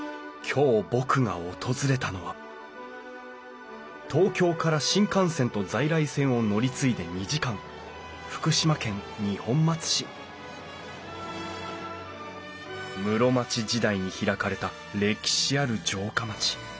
今日僕が訪れたのは東京から新幹線と在来線を乗り継いで２時間福島県二本松市室町時代に開かれた歴史ある城下町。